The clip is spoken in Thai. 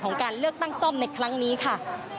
การเลือกตั้งซ่อมในครั้งนี้ค่ะ